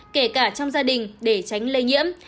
kể cả trong gia đình để tránh lây nhiễm